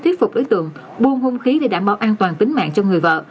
thuyết phục đối tượng buôn hung khí để đảm bảo an toàn tính mạng cho người vợ